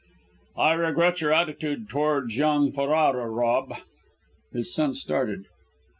"I regret your attitude towards young Ferrara, Rob." His son started.